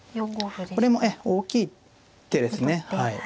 これもええ大きい手ですね。